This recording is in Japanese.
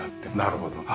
なるほどね。